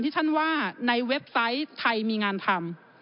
ที่ท่านว่าในเว็บไซต์ไทยมีงานทำ